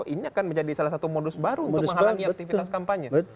ini akan menjadi salah satu modus baru untuk menghalangi aktivitas kampanye